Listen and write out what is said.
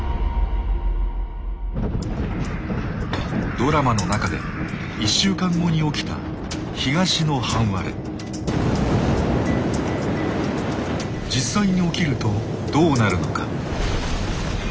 ドラマの中で１週間後に起きた実際に起きるとどうなるのか。